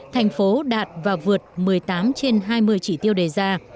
thành phố đạt và vượt một mươi tám trên hai mươi chỉ tiêu đề ra